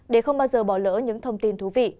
để không bao giờ bỏ lỡ những thông tin thú vị